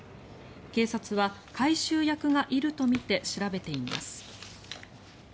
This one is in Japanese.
警察は回収役がいるとみて調べています。